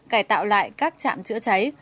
cải tạo lại các trạm chữa cháy